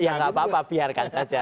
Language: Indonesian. ya nggak apa apa biarkan saja